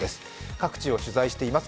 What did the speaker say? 各地を取材しています。